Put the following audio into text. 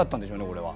これは。